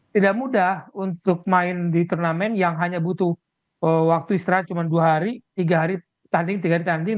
tidak mudah untuk main di turnamen yang hanya butuh waktu istirahat cuma dua hari tiga hari tanding tiga ditanding